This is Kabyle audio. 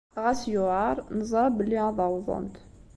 Ɣas yuɛeṛ, neẓṛa belli ad awḍent.